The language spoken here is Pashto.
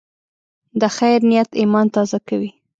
د خیر نیت ایمان تازه کوي.